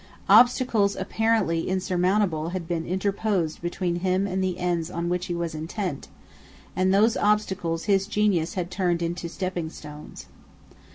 Obstacles apparently insurmountable had been interposed between him and the ends on which he was intent; and those obstacles his genius had turned into stepping stones.